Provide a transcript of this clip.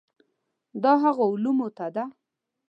دا هغو علومو ته ده.